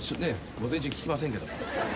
午前中聞きませんけど。